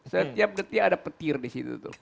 setiap detik ada petir di situ